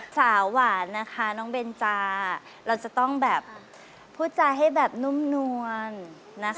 หวานนะคะน้องเบนจาเราจะต้องแบบพูดจาให้แบบนุ่มนวลนะคะ